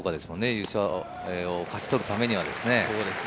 優勝を勝ち取るためには。